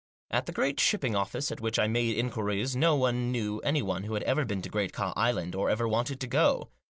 At the great shipping office at which I made inquiries no one knew anyone who had ever been to Great Ka Island, or ever wanted to go.